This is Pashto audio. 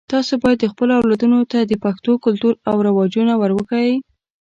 تاسو باید خپلو اولادونو ته د پښتنو کلتور او رواجونه ور وښایئ